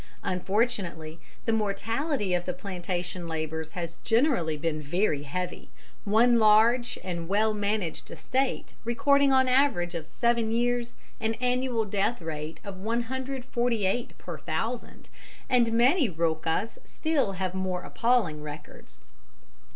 ] Unfortunately, the mortality of the plantation labourers has generally been very heavy, one large and well managed estate recording on an average of seven years an annual death rate of 148 per thousand, and many rocas have still more appalling records.